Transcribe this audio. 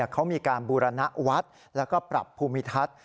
เขามีการบูรณวัดแล้วก็ปรับภูมิทัศน์